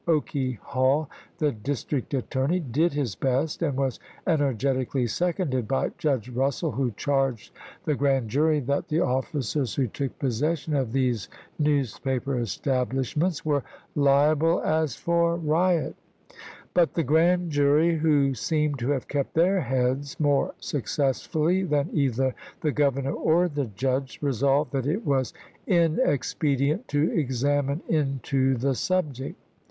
Oakey Hall, the district attor ney, did his best, and was energetically seconded by Judge Eussell, who charged the grand jury that the officers who took possession of these newspaper Vol. IX.— 4 50 ABKAHAM LINCOLN chap. ii. establishments were " liable as for riot "; but the grand jury, who seem to have kept their heads more successfully than either the Governor or the judge, resolved that it was " inexpedient to examine into the subject."